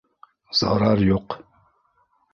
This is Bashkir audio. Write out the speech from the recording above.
Зарар юҡ.